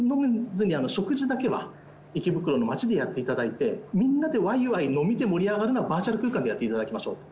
食事だけは池袋の街でやっていただいてみんなでワイワイ飲みで盛り上がるのはバーチャル空間でやっていただきましょう。